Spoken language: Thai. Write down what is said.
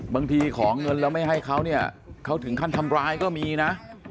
ของเงินแล้วไม่ให้เขาเนี่ยเขาถึงขั้นทำร้ายก็มีนะ